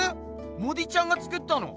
モディちゃんが作ったの？